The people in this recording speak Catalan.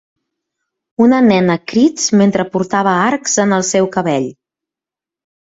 Una nena crits mentre portava arcs en el seu cabell